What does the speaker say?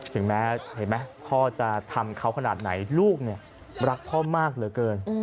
ถึงแม้เห็นไหมพ่อจะทำเขาขนาดไหนลูกเนี่ยรักพ่อมากเหลือเกิน